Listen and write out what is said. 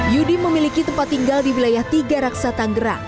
yudi memiliki tempat tinggal di wilayah tiga raksa tanggerang